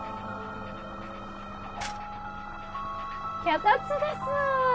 脚立です。